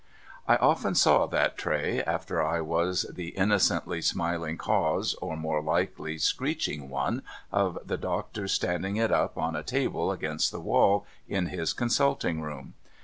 I often saw that tray, after I was the innocently smiling cause (or more likely screeching one) of the doctor's standing it up on a table against the wall in his consulting room.